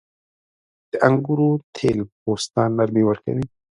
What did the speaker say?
• د انګورو تېل پوست ته نرمي ورکوي.